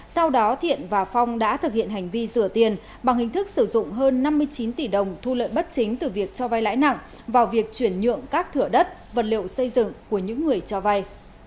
sau đó thiện và phong đã thực hiện hành vi rửa tiền bằng hình thức sử dụng hơn năm mươi chín tỷ đồng thu lợi bất chính từ việc cho vai lãi nặng vào việc chuyển nhượng các thửa đất vật liệu xây dựng của những người cho vay